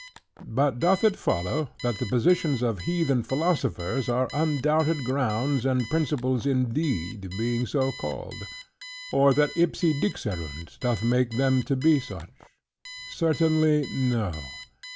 Both doth it follow, that the positions of heathen philosophers are undoubted grounds and principles indeed, because so called? Or that ipsi dixerunt, doth make them to be such? Certainly no.